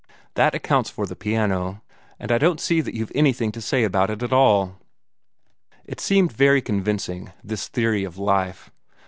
That accounts for the piano; and I don't see that you've anything to say about it at all." It seemed very convincing, this theory of life.